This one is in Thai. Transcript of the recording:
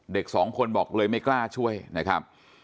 เด็กสองคนบอกเลยไม่กล้าช่วยนะครับ